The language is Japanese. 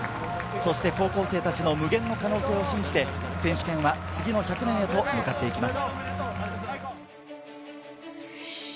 そして高校生達の無限の可能性を信じて、選手権は次の１００年へと向かっていきます。